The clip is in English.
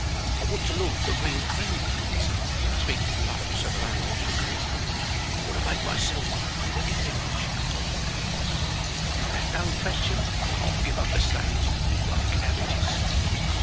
"I want to look the real thing," he ses, speaking low so the landlord shouldn't hear. "I want to make myself the living image of you. If that don't fetch 'em I'll give up the stage and grow cabbages."